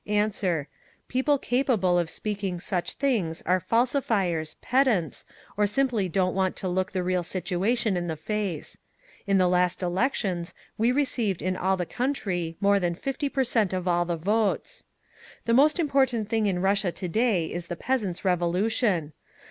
"Answer: People capable of speaking such things are falsifiers, pedants, or simply don't want to look the real situation in the face. In the last elections we received in all the country more than fifty per cent of all thevotes…. "The most important thing in Russia to day is the peasants' revolution.